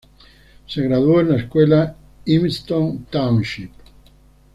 Se graduó en la escuela Evanston Township.